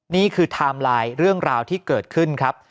ไทม์ไลน์เรื่องราวที่เกิดขึ้นครับ